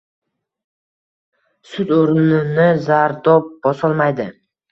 Sut oʻrnini zardob bosolmaydi